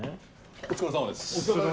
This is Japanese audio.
お疲れさまです。